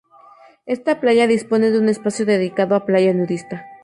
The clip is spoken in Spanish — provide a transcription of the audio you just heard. Esta playa dispone de un espacio dedicado a playa nudista.